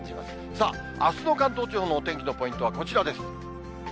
さあ、あすの関東地方のお天気のポイントはこちらです。